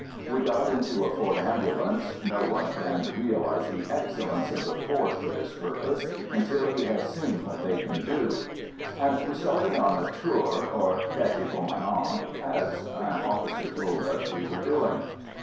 We got into a Ford Ambulance (no one can real ize the excellence of the Ford for this purpose until he has seen what they can do), and we started on a tour, or "petit promenade," as an officer told us we were doing.